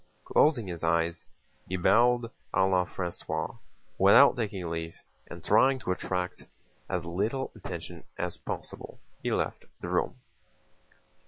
Closing his eyes, he bowed à la française, without taking leave, and trying to attract as little attention as possible, he left the room.